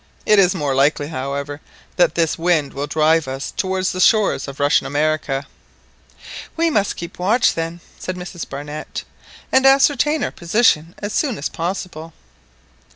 It is more likely, however, that this wind will drive us towards the shores of Russian America." "We must keep watch, then," said Mrs Barnett, "and ascertain our position as soon as possible."